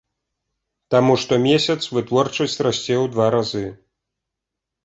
Таму штомесяц вытворчасць расце ў два разы.